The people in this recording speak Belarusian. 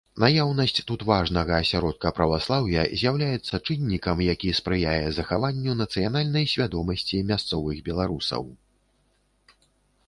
Наяўнасць тут важнага асяродка праваслаўя з'яўляецца чыннікам, які спрыяе захаванню нацыянальнай свядомасці мясцовых беларусаў.